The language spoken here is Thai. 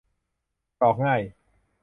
กรอกง่าย